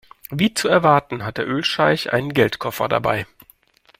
Wie zu erwarten hat der Ölscheich einen Geldkoffer dabei.